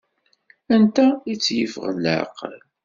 Anta i tt-yeffɣen laɛqel?